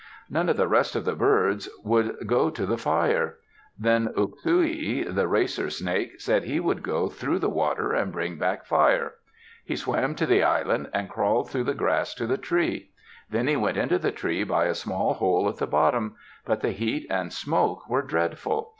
None of the rest of the birds would go to the fire. Then Uk su hi, the racer snake, said he would go through the water and bring back fire. He swam to the island and crawled through the grass to the tree. Then he went into the tree by a small hole at the bottom. But the heat and smoke were dreadful.